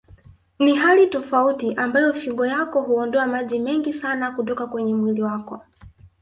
Ni hali tofauti ambayo figo yako huondoa maji mengi sana kutoka kwenye mwili wako